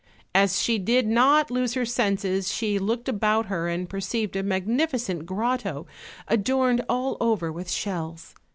As she did not lose her senses, she looked about her, and perceived a magnificent grotto, adorned all over with shells.